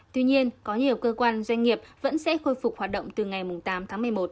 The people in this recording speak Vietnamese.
tuy nhiên có nhiều cơ quan doanh nghiệp vẫn sẽ khôi phục hoạt động từ ngày tám tháng một mươi một